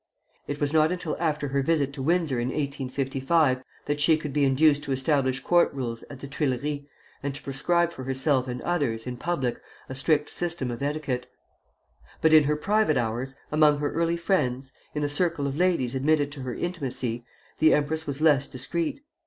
It was not until after her visit to Windsor in 1855 that she could be induced to establish court rules at the Tuileries, and to prescribe for herself and others, in public, a strict system of etiquette. But in her private hours, among her early friends, in the circle of ladies admitted to her intimacy, the empress was less discreet.